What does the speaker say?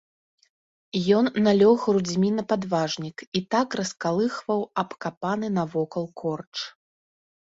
Ён налёг грудзьмі на падважнік і так раскалыхваў абкапаны навокал корч.